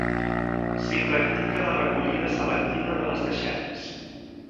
S'hi practica la recollida selectiva de les deixalles.